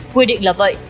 quy định là vậy